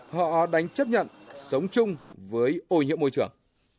họ đánh chấp nhận sống chung với ô nhiễm môi trường